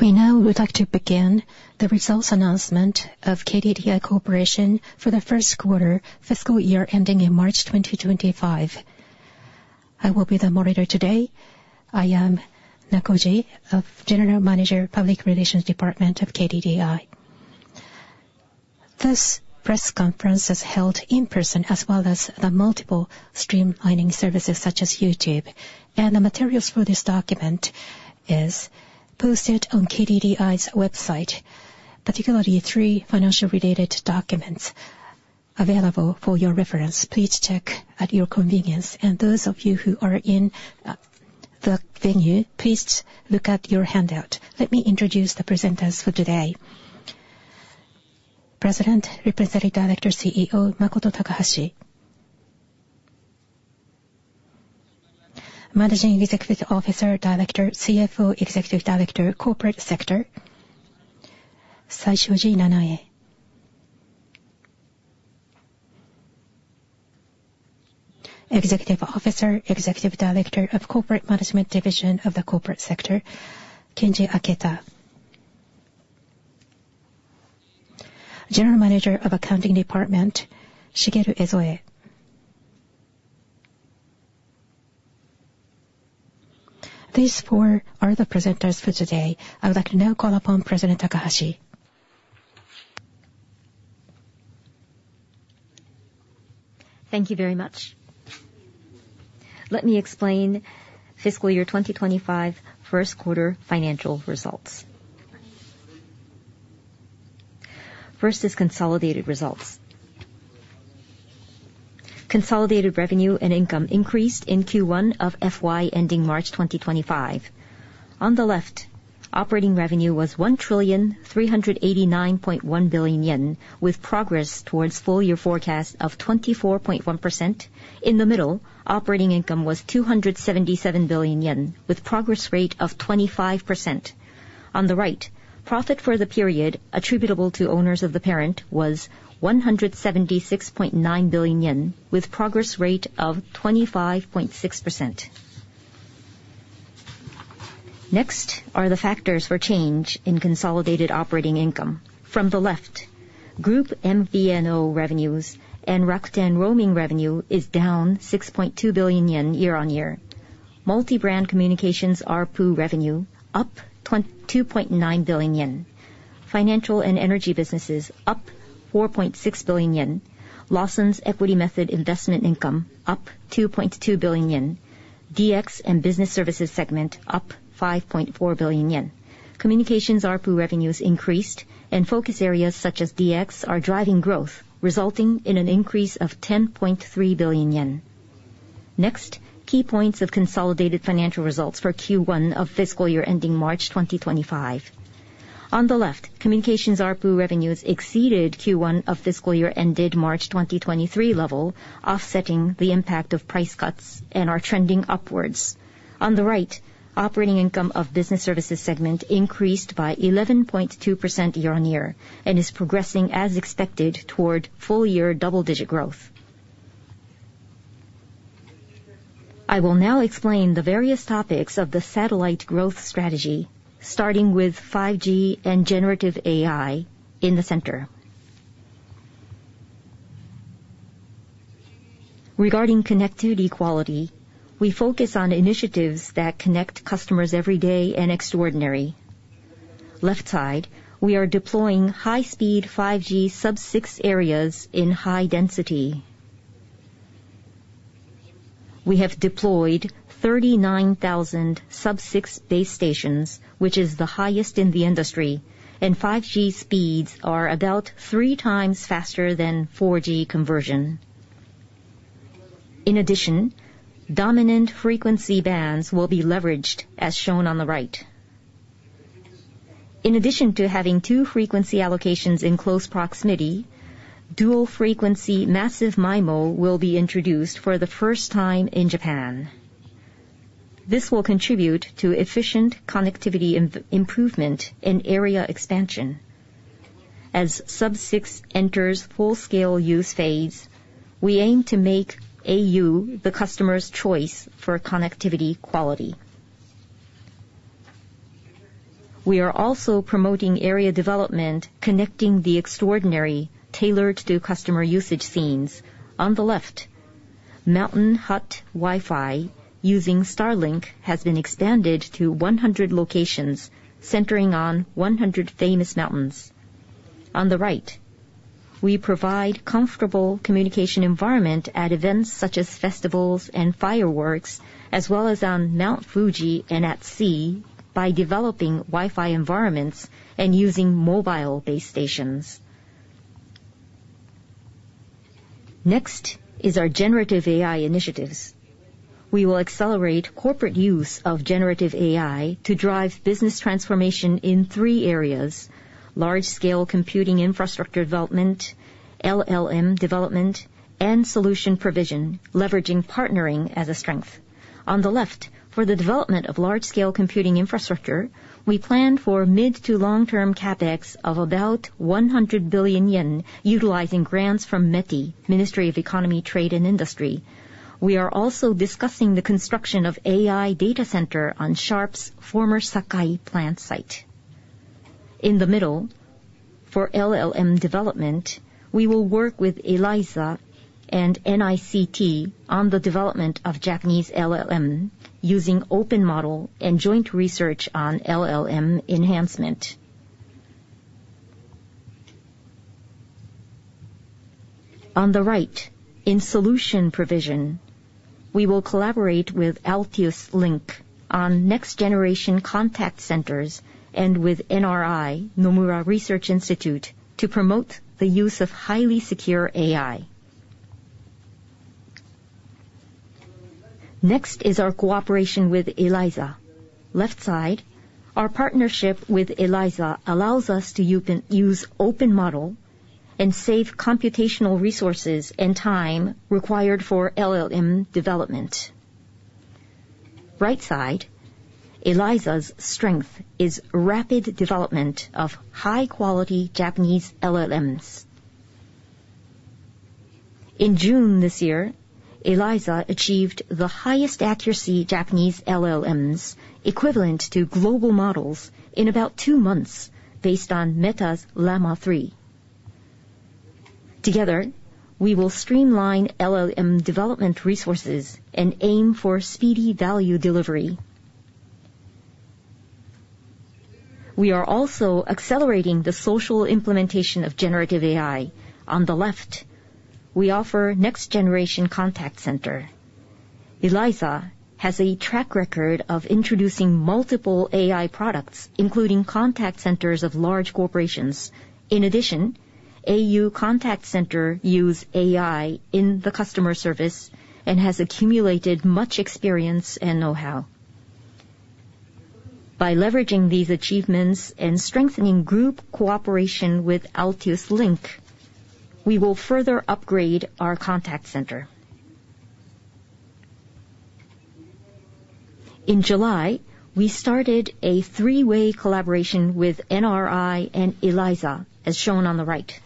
We now would like to begin the results announcement of KDDI Corporation for the first quarter FY 2025. I will be the moderator today. I am Nakoji, General Manager, Public Relations Department, KDDI. This press conference is held in person as well as the multiple streaming services such as YouTube. The materials for this document are posted on KDDI's website, particularly three financial related documents available for your reference. Please check at your convenience. Those of you who are in the venue, please look at your handout. Let me introduce the presenters for today. President, Representative Director, CEO, Makoto Takahashi. Managing Executive Officer, Director, CFO, Executive Director, Corporate Sector, Saishoji Nanae. Executive Officer, Executive Director of Corporate Management Division of the Corporate Sector, Kenji Aketa. General Manager of Accounting Department, Shigeru Ezoe. These four are the presenters for today. I would like to now call upon President Takahashi. Thank you very much. Let me explain FY 2025 first quarter financial results. First is consolidated results. Consolidated revenue and income increased in Q1 of FY 2025. On the left, operating revenue was 1,389.1 billion yen, with progress towards full year forecast of 24.1%. In the middle, operating income was 277 billion yen, with progress rate of 25%. On the right, profit for the period attributable to owners of the parent was 176.9 billion yen, with progress rate of 25.6%. Next are the factors for change in consolidated operating income. From the left, group MVNO revenues and Rakuten roaming revenue is down 6.2 billion yen year-over-year. Multi-brand communications ARPU revenue up 2.9 billion yen. Financial and energy businesses up 4.6 billion yen. Lawson's equity method investment income up 2.2 billion yen. DX and business services segment up 5.4 billion yen. Communications ARPU revenues increased and focus areas such as DX are driving growth, resulting in an increase of 10.3 billion yen. Key points of consolidated financial results for Q1 of FY 2025. On the left, communications ARPU revenues exceeded Q1 of FY 2023 level, offsetting the impact of price cuts and are trending upwards. On the right, operating income of business services segment increased by 11.2% year-over-year and is progressing as expected toward full year double digit growth. I will now explain the various topics of the satellite growth strategy, starting with 5G and Generative AI in the center. Regarding connectivity quality, we focus on initiatives that connect customers every day and extraordinary. Left side, we are deploying high speed 5G Sub-6 areas in high density. We have deployed 39,000 sub-6 base stations, which is the highest in the industry, and 5G speeds are about three times faster than 4G conversion. In addition, dominant frequency bands will be leveraged as shown on the right. In addition to having two frequency allocations in close proximity, dual frequency Massive MIMO will be introduced for the first time in Japan. This will contribute to efficient connectivity improvement and area expansion. As sub-6 enters full scale use phase, we aim to make au the customer's choice for connectivity quality. We are also promoting area development, connecting the extraordinary tailored to customer usage scenes. On the left, mountain hut Wi-Fi using Starlink has been expanded to 100 locations, centering on 100 famous mountains. On the right, we provide comfortable communication environment at events such as festivals and fireworks, as well as on Mount Fuji and at sea by developing Wi-Fi environments and using mobile base stations. Next is our Generative AI initiatives. We will accelerate corporate use of Generative AI to drive business transformation in three areas: large scale computing infrastructure development, LLM development, and solution provision, leveraging partnering as a strength. On the left, for the development of large scale computing infrastructure, we plan for mid to long-term CapEx of about 100 billion yen utilizing grants from METI, Ministry of Economy, Trade and Industry. We are also discussing the construction of AI data center on Sharp's former Sakai plant site. In the middle, for LLM development, we will work with ELYZA and NICT on the development of Japanese LLM using open model and joint research on LLM enhancement. On the right, in solution provision, we will collaborate with Altius Link on next generation contact centers and with NRI, Nomura Research Institute, to promote the use of highly secure AI. Next is our cooperation with ELYZA. Left side, our partnership with ELYZA allows us to use open model and save computational resources and time required for LLM development. Right side, ELYZA's strength is rapid development of high-quality Japanese LLMs. In June 2024, ELYZA achieved the highest accuracy Japanese LLMs equivalent to global models in about two months, based on Meta's Llama 3. Together, we will streamline LLM development resources and aim for speedy value delivery. We are also accelerating the social implementation of Generative AI. On the left, we offer next generation contact center. ELYZA has a track record of introducing multiple AI products, including contact centers of large corporations. In addition, au Contact Center use AI in the customer service and has accumulated much experience and know-how. By leveraging these achievements and strengthening group cooperation with Altius Link, we will further upgrade our contact center. In July 2024, we started a three-way collaboration with NRI and ELYZA, as shown on the right.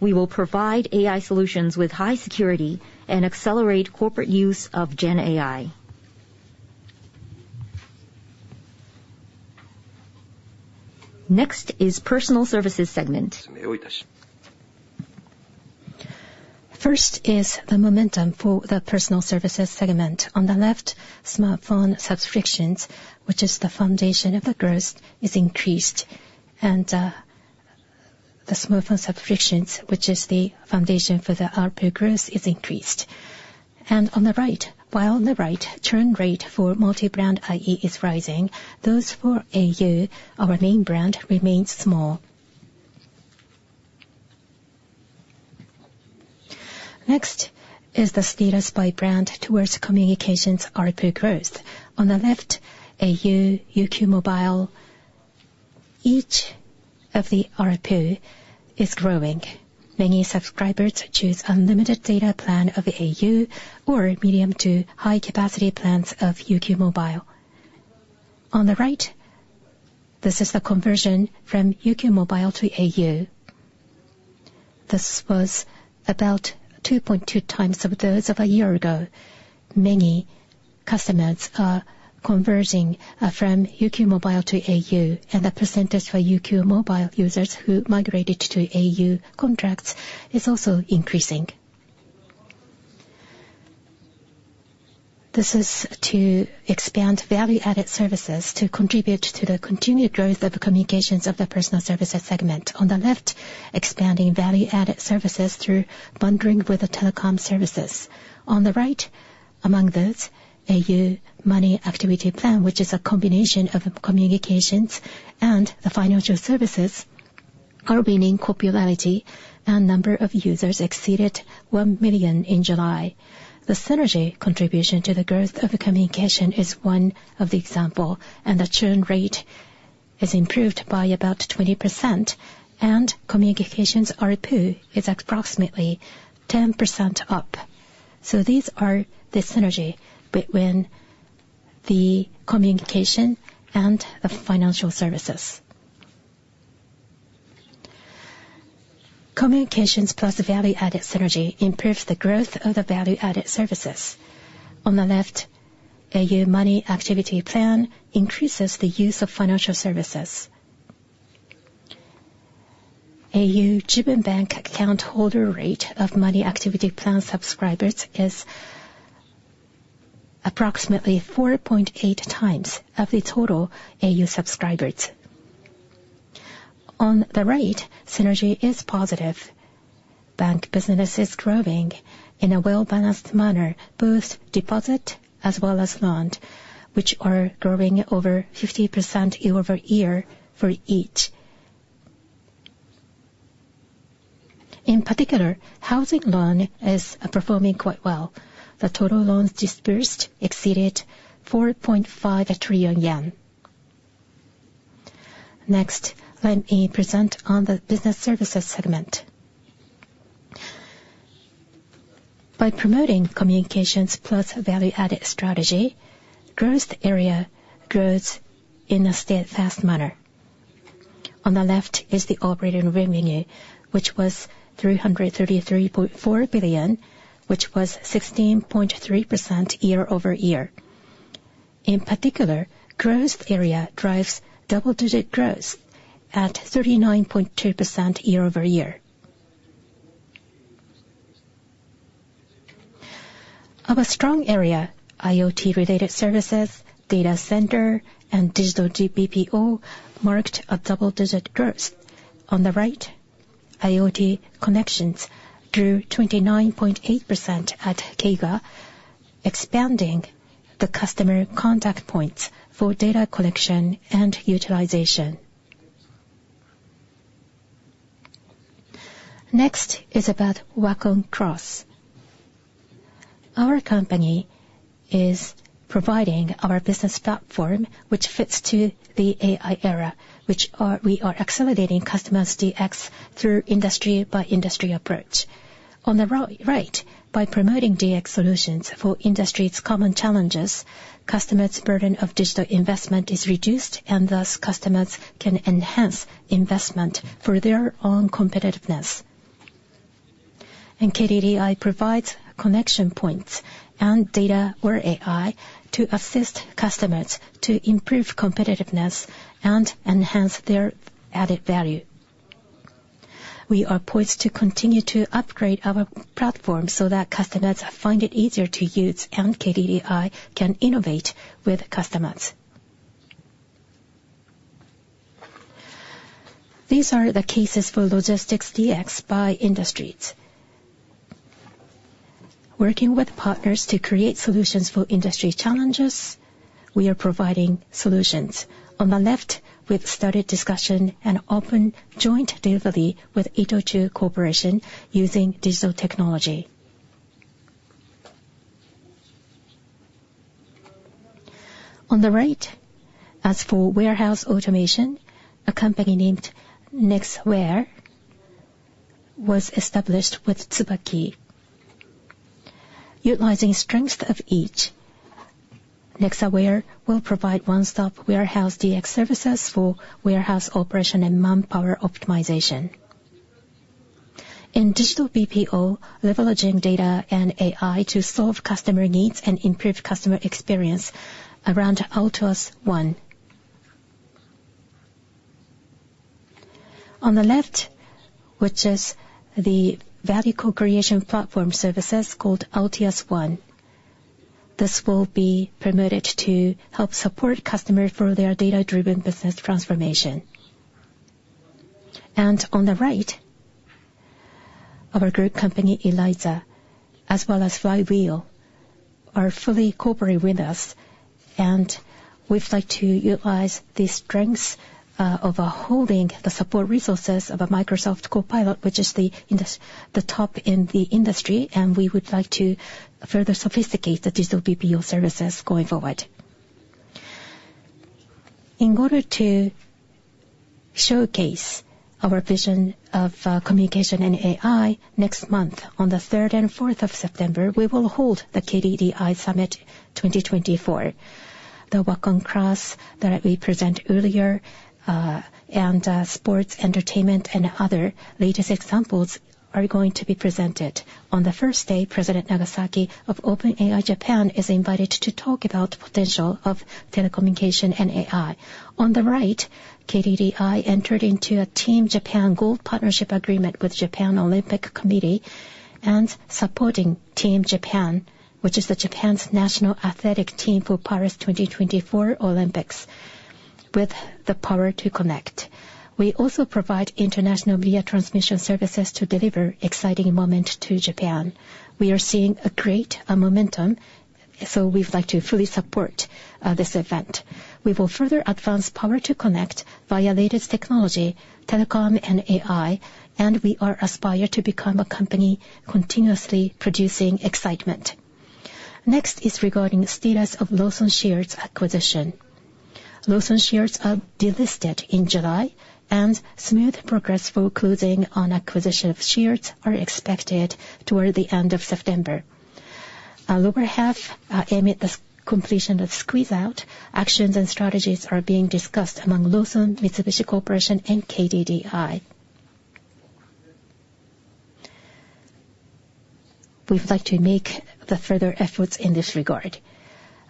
We will provide AI solutions with high security and accelerate corporate use of gen AI. Next is personal services segment. First is the momentum for the personal services segment. On the left, smartphone subscriptions, which is the foundation of the growth, is increased. The smartphone subscriptions, which is the foundation for the ARPU growth, is increased. On the right, while on the right churn rate for multi-brand IE is rising, those for au, our main brand, remains small. Next is the status by brand towards communications ARPU growth. On the left, au, UQ mobile, each of the ARPU is growing. Many subscribers choose unlimited data plan of au or medium to high-capacity plans of UQ mobile. On the right, this was about 2.2 times of those of a year ago. Many customers are converting from UQ mobile to au, and the percentage for UQ mobile users who migrated to au contracts is also increasing. This is to expand value-added services to contribute to the continued growth of communications of the personal services segment. On the left, expanding value-added services through bundling with the telecom services. On the right, among those au Money Activity Plan, which is a combination of communications and the financial services, are winning popularity and number of users exceeded 1 million in July. The synergy contribution to the growth of the communication is one of the examples, and the churn rate is improved by about 20% and communications ARPU is approximately 10% up. These are the synergy between the communication and the financial services. Communications plus value-added synergy improves the growth of the value-added services. On the left, au Money Activity Plan increases the use of financial services. au Jibun Bank account holder rate of Money Activity Plan subscribers is approximately 4.8 times of the total au subscribers. On the right, synergy is positive. Bank business is growing in a well-balanced manner, both deposit as well as loan, which are growing over 50% year-over-year for each. In particular, housing loan is performing quite well. The total loans disbursed exceeded JPY 4.5 trillion. Next, let me present on the business services segment. By promoting communications plus value-added strategy, growth area grows in a steadfast manner. On the left is the operating revenue, which was 333.4 billion, which was 16.3% year-over-year. In particular, growth area drives double-digit growth at 39.2% year-over-year. Our strong area, IoT related services, data center, and Digital BPO, marked a double-digit growth. On the right, IoT connections grew 29.8% at KDDI, expanding the customer contact points for data collection and utilization. Next is about WAKONX. Our company is providing our business platform, which fits to the AI era, which we are accelerating customers' DX through industry-by-industry approach. On the right, by promoting DX solutions for industry's common challenges, customers' burden of digital investment is reduced, and thus, customers can enhance investment for their own competitiveness. KDDI provides connection points and data or AI to assist customers to improve competitiveness and enhance their added value. We are poised to continue to upgrade our platform so that customers find it easier to use, and KDDI can innovate with customers. These are the cases for logistics DX by industries. Working with partners to create solutions for industry challenges, we are providing solutions. On the left, we've started discussion and open joint delivery with Itochu Corporation using digital technology. On the right, as for warehouse automation, a company named Nexa Ware was established with Tsubakimoto Chain. Utilizing strength of each, Nexa Ware will provide one-stop warehouse DX services for warehouse operation and manpower optimization. In Digital BPO, leveraging data and AI to solve customer needs and improve customer experience around Altius ONE. On the left, which is the value co-creation platform services called Altius ONE. This will be promoted to help support customer for their data-driven business transformation. On the right, our group company, ELYZA, as well as FLYWHEEL, are fully cooperating with us, and we'd like to utilize the strengths of holding the support resources of a Microsoft Copilot, which is the top in the industry, and we would like to further sophisticate the Digital BPO services going forward. In order to showcase our vision of communication and AI, next month, on the 3rd and 4th of September, we will hold the KDDI SUMMIT 2024. The WAKONX that we presented earlier, and sports, entertainment, and other latest examples are going to be presented. On the first day, President Nagasaki of OpenAI Japan is invited to talk about potential of telecommunication and AI. On the right, KDDI entered into a Team Japan Gold partnership agreement with Japan Olympic Committee and supporting TEAM JAPAN, which is the Japan's national athletic team for Paris 2024 Olympics, with the power to connect. We also provide international media transmission services to deliver exciting moment to Japan. We are seeing a great momentum, We would like to fully support this event. We will further advance power to connect via latest technology, telecom, and AI, and we are aspired to become a company continuously producing excitement. Next is regarding status of Lawson shares acquisition. Lawson shares are delisted in July, and smooth progress for closing on acquisition of shares are expected toward the end of September. Lower half, amid the completion of squeeze-out, actions and strategies are being discussed among Lawson, Mitsubishi Corporation, and KDDI. We would like to make the further efforts in this regard.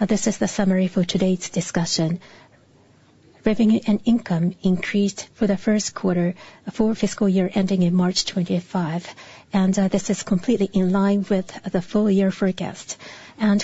This is the summary for today's discussion. Revenue and income increased for the first quarter for fiscal year ending in March 2025, This is completely in line with the full-year forecast.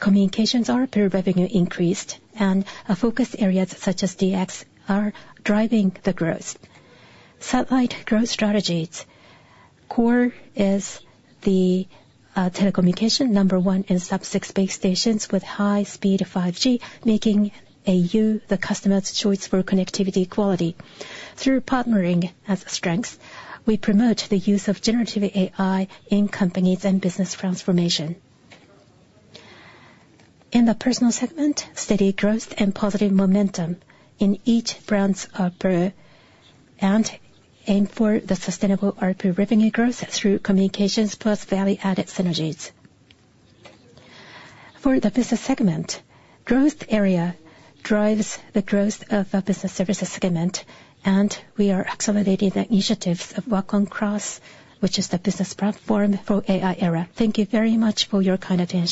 Communications ARPU revenue increased, and focus areas such as DX are driving the growth. Satellite growth strategies. Core is the telecommunication. Number one in Sub-6 base stations with high-speed 5G, making au the customer's choice for connectivity quality. Through partnering as a strength, we promote the use of Generative AI in companies and business transformation. In the personal segment, steady growth and positive momentum in each brand's ARPU, and aim for the sustainable ARPU revenue growth through communications plus value-added synergies. For the business segment, growth area drives the growth of our business services segment, and we are accelerating the initiatives of WAKONX, which is the business platform for AI era. Thank you very much for your kind attention.